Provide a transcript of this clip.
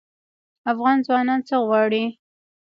افغان ځوانان څه غواړي؟